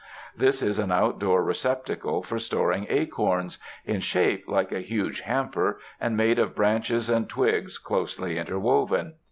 This is an outdoor receptacle for storing acorns — in shape like a huge hamper, and made of branches and twigs closel}^ interwoven.